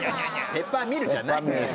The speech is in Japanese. ペッパーミルじゃない。